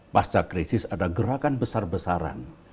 pasca krisis ada gerakan besar besaran